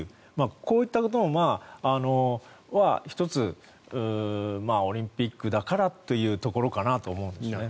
こういったことは１つオリンピックだからというところかなと思うんですよね。